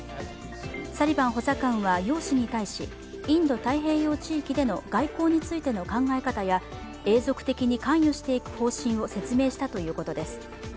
サリバン補佐官は楊氏に対しインド太平洋地域での外交についての考え方や永続的に関与していく方針を説明したということです。